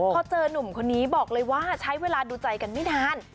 พอเจอนุ่มคนนี้บอกเลยว่าใช้เวลาดูใจกันไม่นาน